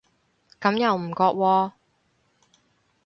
咁又唔覺喎